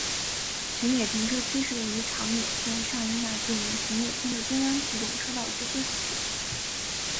辰野停车区是位于长野县上伊那郡辰野町的中央自动车道之休息区。